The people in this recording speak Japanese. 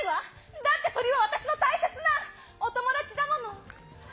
だって鶏は私の大切なお友達だもの！